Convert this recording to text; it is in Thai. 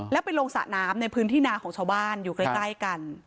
แล้วไปลงสระน้ำในพื้นที่นาของชาวบ้านอยู่ใกล้กัน